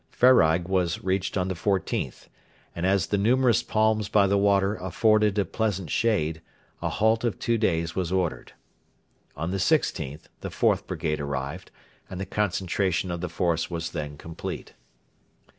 Fareig was reached on the 14th, and as the numerous palms by the water afforded a pleasant shade a halt of two days was ordered. On the 16th the 4th Brigade arrived, and the concentration of the force was then complete.